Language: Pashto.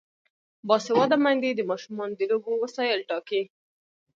باسواده میندې د ماشومانو د لوبو وسایل ټاکي.